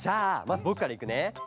まずぼくからいくね。